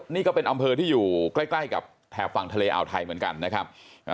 นี่ก็เป็นอำเภอที่อยู่ใกล้กับแถบฝั่งทะเลอ่าวไทยเหมือนกันนะครับ